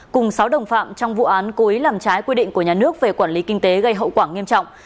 cùng sáu đồng phạm trong vụ án cố ý làm trái quy định của nhà nước về quản lý kinh tế gây hậu quả nghiêm trọng